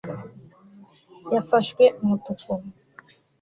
yafashwe umutuku